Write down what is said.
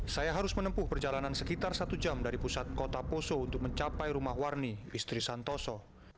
saya harus menempuh perjalanan sekitar satu jam dari pusat kota poso untuk mencapai rumah warni istri santoso